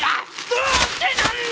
どうしてなんだ！